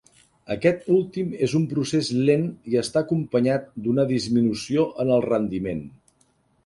Aquest últim és un procés lent i està acompanyat d'una disminució en el rendiment.